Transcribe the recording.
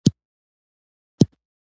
یه هوا سړه ده !